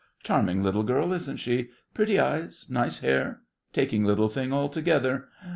Charming little girl, isn't she? Pretty eyes, nice hair. Taking little thing, altogether.